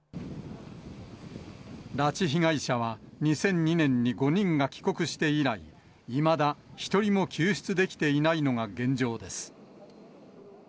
拉致被害者は２００２年に５人が帰国して以来、いまだ１人も救出できていないのが現状です。